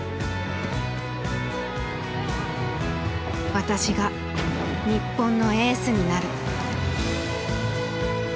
「私が日本のエースになる」。